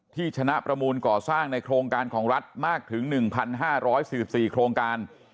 ที่ชนะประมูลก่อสร้างในโครงการของรัฐมากถึงหนึ่งพันห้าร้อยสิบสี่โครงการ